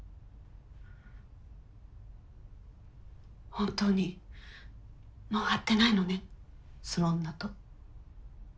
本当にもう会ってないのねその女と。